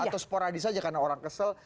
atau sporadis saja karena orang kesel